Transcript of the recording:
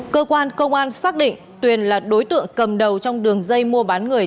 cơ quan công an xác định tuyền là đối tượng cầm đầu trong đường dây mua bán người